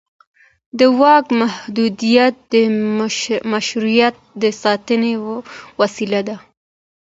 د واک محدودیت د مشروعیت د ساتنې وسیله ده